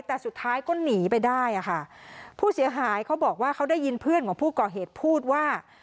แต่สุดท้ายก็หนีไปได้อ่ะค่ะผู้เสียหายเขาบอกว่าเขาได้ยินเพื่อนของผู้ก่อเหตุพูดว่า